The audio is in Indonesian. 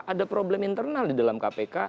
ada problem internal di dalam kpk